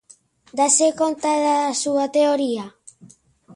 ¿Dáse conta da súa teoría?